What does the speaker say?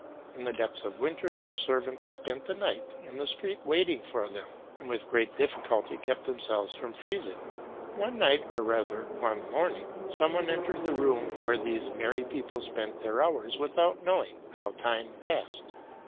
In the depths of winter their servants spent the night in the street waiting for them, and with great difficulty kept themselves from freezing. One night, or rather one morning, some one entered the room where these merry people spent their hours without knowing how time passed.